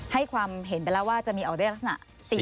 ให้ความเห็นไปแล้วว่าจะมีออกด้วยลักษณะ